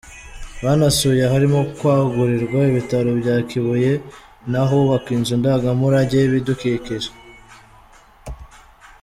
Banasuye aharimo kwagurirwa ibitaro bya Kibuye, n’ahubakwa inzu ndangamurage y’ibidukikije.